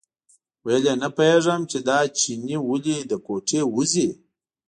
ویل یې نه پوهېږم چې دا چینی ولې له کوټې وځي.